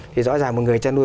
thì rõ ràng một người chăn nuôi